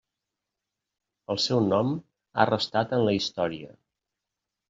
El seu nom ha restat en la història.